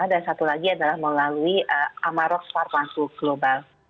dan satu lagi adalah melalui amarok pharma to global